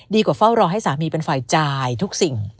เฝ้ารอให้สามีเป็นฝ่ายจ่ายทุกสิ่ง